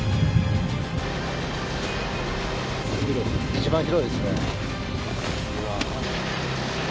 一番広いっすね。